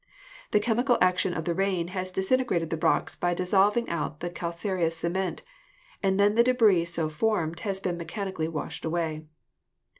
The chemical action of the rain has disintegrated the rocks by dissolving out the calcareous cement, and then the debris so formed has been mechanically washed away.